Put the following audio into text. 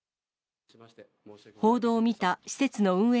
報道を見た施設の運営